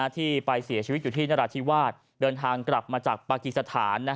ที่ไปเสียชีวิตอยู่ที่นราธิวาสเดินทางกลับมาจากปากีสถาน